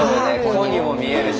「こ」にも見えるし。